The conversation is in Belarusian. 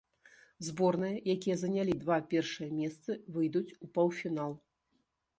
Зборныя, якія занялі два першыя месцы, выйдуць у паўфінал.